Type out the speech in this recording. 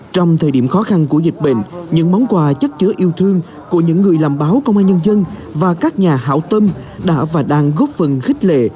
trong thời điểm khó khăn của dịch bệnh những món quà chất chứa yêu thương của những người làm báo công an nhân dân và các nhà hảo tâm đã và đang góp phần khích lệ